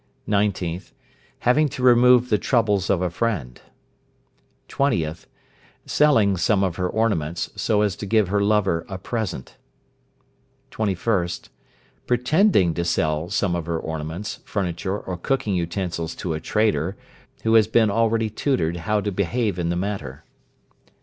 19th. Having to remove the troubles of a friend. 20th. Selling some of her ornaments, so as to give her lover a present. 21st. Pretending to sell some of her ornaments, furniture, or cooking utensils to a trader, who has been already tutored how to behave in the matter.